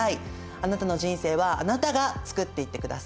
あなたの人生はあなたが作っていってください。